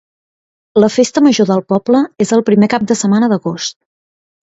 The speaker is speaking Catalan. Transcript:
La festa major del poble és el primer cap de setmana d'agost.